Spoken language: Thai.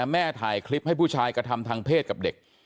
แม่ถ่ายคลิปให้ผู้ชายกระทำทางเพศกับเด็ก